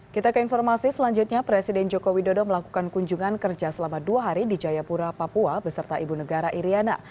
kita ke informasi selanjutnya presiden joko widodo melakukan kunjungan kerja selama dua hari di jayapura papua beserta ibu negara iryana